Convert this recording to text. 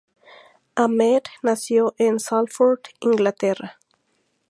Ahmed nació en Salford, Inglaterra.